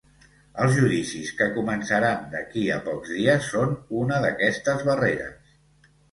Els judicis que començaran d’aquí a pocs dies són una d’aquestes barreres.